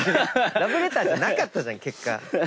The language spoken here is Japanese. ラブレターじゃなかったじゃん結果。